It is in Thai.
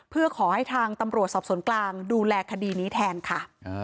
เพื่อขอให้ทางตำรวจสอบสวนกลางดูแลคดีนี้แทนค่ะ